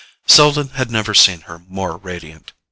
Selden had never seen her more radiant.